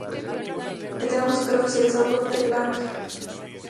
El tema musical oficial fue ""Out of the Black"" de Royal Blood.